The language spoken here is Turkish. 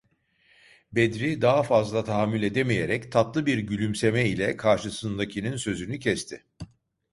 Bedri daha fazla tahammül edemeyerek tatlı bir gülümseme ile karşısındakinin sözünü kesti: